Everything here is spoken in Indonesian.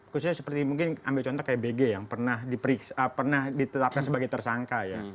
khususnya seperti mungkin ambil contoh kayak bg yang pernah ditetapkan sebagai tersangka ya